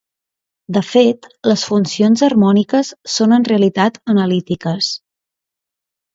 De fet, les funcions harmòniques són en realitat analítiques.